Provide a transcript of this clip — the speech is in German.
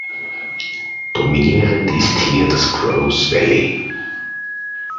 Dominierend ist hier das Grose Valley.